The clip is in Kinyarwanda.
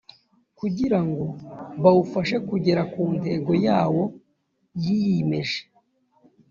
kugira ngo bawufashe kugera ku ntego yawo yiyimeje